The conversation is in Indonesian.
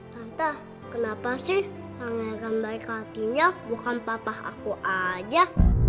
hantah kenapa sih pangeran baik hatinya bukan papah aku aja